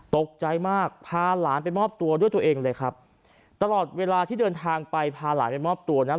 ตกใจมากพาหลานไปมอบตัวด้วยตัวเองเลยครับตลอดเวลาที่เดินทางไปพาหลานไปมอบตัวนั้น